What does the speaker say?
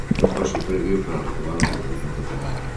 É un paso previo para retomar o procedemento penal.